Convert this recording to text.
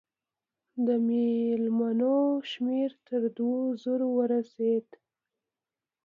د مېلمنو شمېر تر دوو زرو ورسېدی.